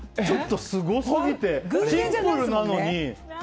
すごすぎて、シンプルなのに。